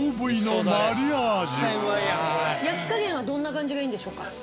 どんな感じがいいんでしょうか？